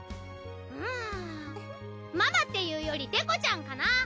うんママっていうよりデコちゃんかな。